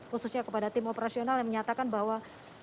khususnya kepada tim operasional yang menyatakan bahwa